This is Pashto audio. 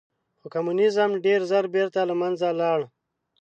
خو کمونیزم ډېر ژر بېرته له منځه لاړ.